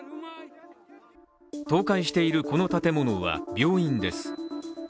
倒壊しているこの建物は病院です。